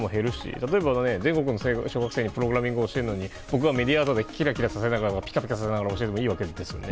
例えば全国の小学生にプログラミングを教えるのに僕がキラキラさせながらピカピカさせながら教えてもいいわけですよね。